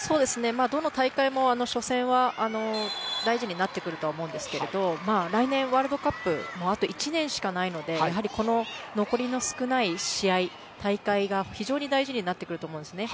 どの大会も初戦は大事になってくるとは思いますが来年、ワールドカップであと１年しかないのでこの残り少ない試合、大会が非常に大事になってくると思うんですね。